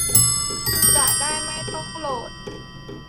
จะได้ไม่ต้องโหลด